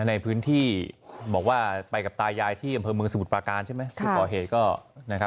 ในพื้นที่บอกว่าไปกับตายายที่อำเภอเมืองสมุทรประการใช่ไหม